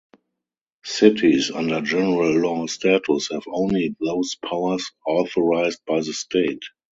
Cities under general law status have only those powers authorized by the State.